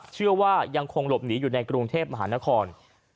เชื่อว่ายังคงหลบหนีอยู่ในกรุงเทพมหานคร